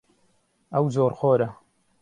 ئەو زۆرخۆرە.